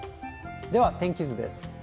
では、天気図です。